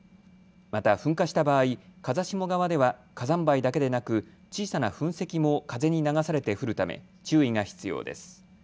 また噴火した場合、風下側では火山灰だけでなく小さな噴石も風に流されて降るため注意が必要です。